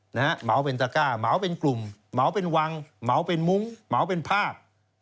เหมาเป็นตะก้าเหมาเป็นกลุ่มเหมาเป็นวังเหมาเป็นมุ้งเหมาเป็นภาพ